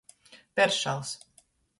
Peršals.